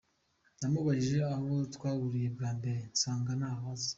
Namubajije aho twahuriye bwa mbere nsanga ntaho azi.